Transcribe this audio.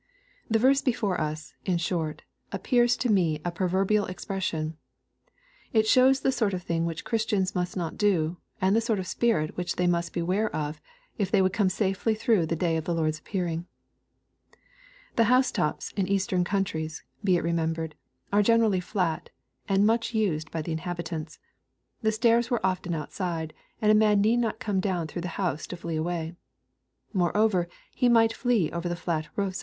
The verse before us, in short, appears to me a proverbial express sion. It shows the sort of thing which Christians must not do, and the sort of spirit which they must beware of, if they would come safely through the day of the Lord's appearing. The house tops in Eastern countries, be it remembered, are generally flat, and much used by the inhabitants. The stairs were often outside, and a man need not come down through the house to flee away. Moreover he might flee over the flat roofs .